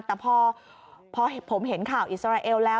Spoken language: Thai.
แต่พอผมเห็นข่าวอิสราเอลแล้ว